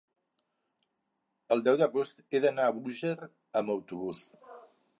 El deu d'agost he d'anar a Búger amb autobús.